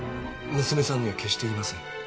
娘さんには決して言いません。